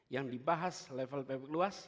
yang dibahas level ppkm luas